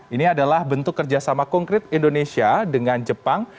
ini adalah bentuk kerjasama konkret indonesia dengan jepang